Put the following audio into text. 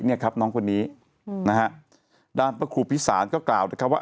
เนี่ยครับน้องคนนี้นะฮะด้านพระครูพิสารก็กล่าวนะครับว่า